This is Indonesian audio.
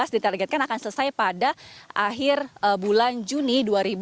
ditargetkan akan selesai pada akhir bulan juni dua ribu dua puluh